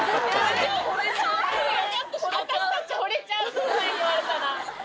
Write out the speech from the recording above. そんなん言われたら。